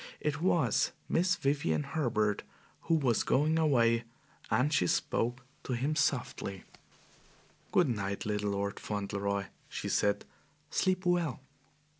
It was Miss Vivian Herbert, who was going away, and she spoke to him softly. "Good night, little Lord Fauntleroy," she said. "Sleep well."